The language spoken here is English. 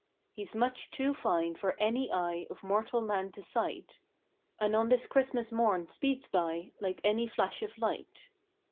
He s much too fine for any eye of mortal man to sight, And on this Christmas Morn speeds by like any flash of light.